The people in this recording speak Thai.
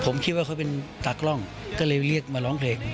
ผมคิดว่าเขาเป็นตากล้องก็เลยเรียกมาร้องเพลง